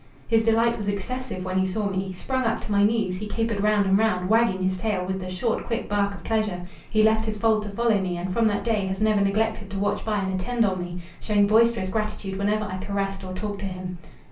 His delight was excessive when he saw me. He sprung up to my knees; he capered round and round, wagging his tail, with the short, quick bark of pleasure: he left his fold to follow me, and from that day has never neglected to watch by and attend on me, shewing boisterous gratitude whenever I caressed or talked to him.